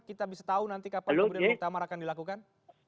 kita bisa tahu nanti ke apa kemudian pemerintah marah akan dilakukan